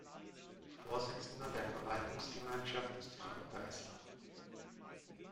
Vorsitzender der Verwaltungsgemeinschaft ist Frank Geißler.